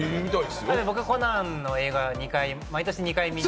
僕は『コナン』の映画は毎年２回行く。